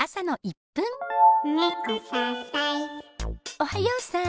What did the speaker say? おはようさん。